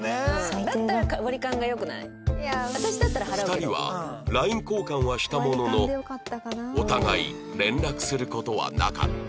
２人は ＬＩＮＥ 交換はしたもののお互い連絡する事はなかった